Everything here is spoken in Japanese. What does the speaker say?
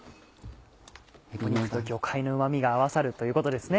肉と魚介のうま味が合わさるということですね。